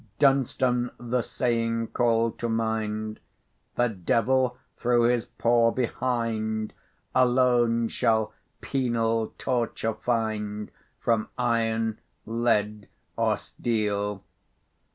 Dunstan the saying called to mind, "The devil through his paw behind Alone shall penal torture find From iron, lead, or steel."